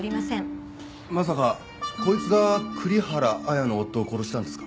まさかこいつが栗原綾の夫を殺したんですか？